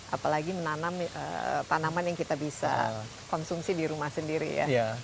apalagi menanam tanaman yang kita bisa konsumsi di rumah sendiri ya